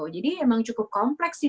jadi emang cukup kompleks sih